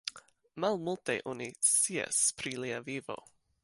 Malmulte oni scias pri lia vivo.